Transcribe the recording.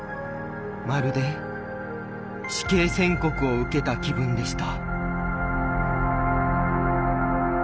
まるで死刑宣告を受けた気分でした。